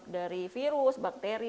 dari virus bakteri